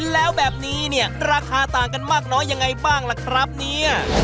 แล้วแบบนี้เนี่ยราคาต่างกันมากน้อยยังไงบ้างล่ะครับเนี่ย